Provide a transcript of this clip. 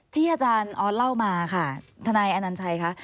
ที่อาจารย์ออสเล่ามาค่ะทนายอนัญชัยคะ